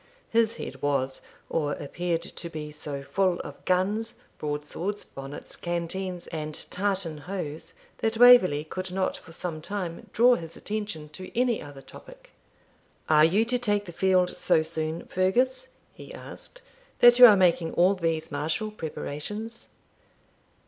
His head was, or appeared to be, so full of guns, broadswords, bonnets, canteens, and tartan hose that Waverley could not for some time draw his attention to any other topic. 'Are you to take the field so soon, Fergus,' he asked, 'that you are making all these martial preparations?'